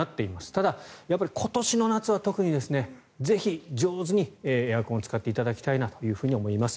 ただ今年の夏は特にぜひ、上手にエアコンを使っていただきたいと思います。